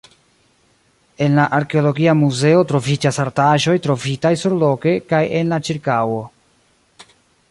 En la arkeologia muzeo troviĝas artaĵoj trovitaj surloke kaj en la ĉirkaŭo.